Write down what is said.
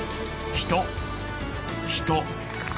人人。